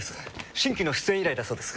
新規の出演依頼だそうです。